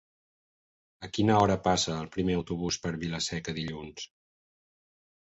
A quina hora passa el primer autobús per Vila-seca dilluns?